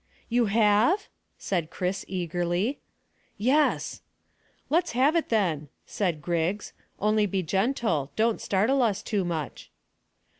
"You have?" said Chris eagerly. "Yes!" "Let's have it, then," said Griggs, "only be gentle. Don't startle us too much."